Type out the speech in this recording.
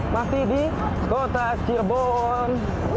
masih di kota cirebon